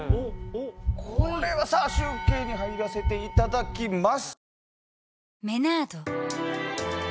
これはさあ集計に入らせていただきます。